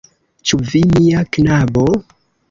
Ĉu vi, mia knabo?